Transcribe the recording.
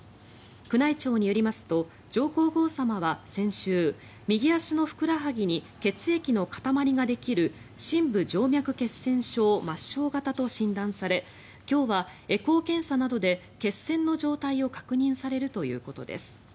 宮内庁によりますと上皇后さまは先週右足のふくらはぎに血液の塊ができる深部静脈血栓症末しょう型と診断され今日はエコー検査などで血栓の状態を確認されるということです。